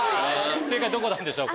正解どこなんでしょうか？